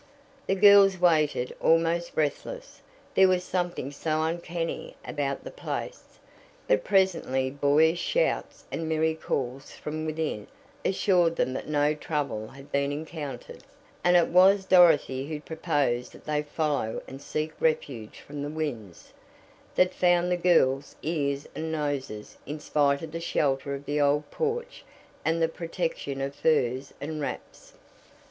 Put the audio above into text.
The girls waited almost breathless there was something so uncanny about the place. But presently boyish shouts and merry calls from within assured them that no trouble had been encountered, and it was Dorothy who proposed that they follow and seek refuge from the winds, that found the girls' ears and noses, in spite of the shelter of the old porch and the protection of furs and wraps.